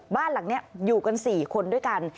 บ้านหลังนี้อยู่กัน๔คนด้วยกัน